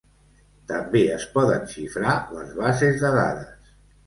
També es poden xifrar les bases de dades.